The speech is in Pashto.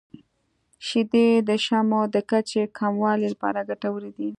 • شیدې د شحمو د کچې کمولو لپاره ګټورې دي.